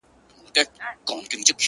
چي په ښكلي وه باغونه د انګورو!!